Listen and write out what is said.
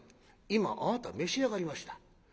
今あなた召し上がりました。